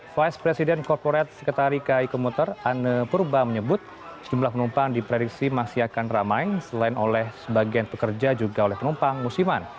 vice president corporate sekretari kai komuter ane purba menyebut jumlah penumpang diprediksi masih akan ramai selain oleh sebagian pekerja juga oleh penumpang musiman